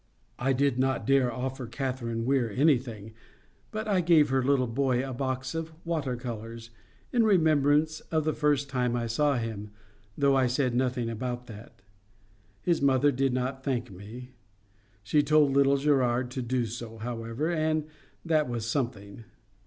I did not dare to offer Catherine Weir anything, but I gave her little boy a box of water colours—in remembrance of the first time I saw him, though I said nothing about that. His mother did not thank me. She told little Gerard to do so, however, and that was something.